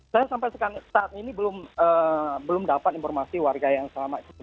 saya sampai saat ini belum dapat informasi warga yang selamat